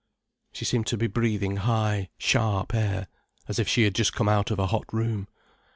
She seemed to be breathing high, sharp air, as if she had just come out of a hot room.